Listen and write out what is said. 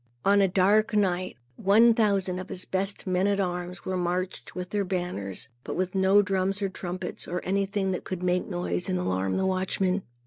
On a dark night, one thousand of his best men at arms were marched with their banners, but with no drums or trumpets, or anything that could make a noise and alarm the watchmen.